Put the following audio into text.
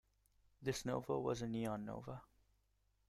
This nova was a neon nova.